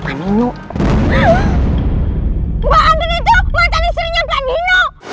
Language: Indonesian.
dangan kalah oleh si andin